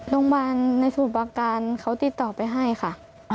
โรงพยาบาลในสมุทรประการเขาติดต่อไปให้ค่ะ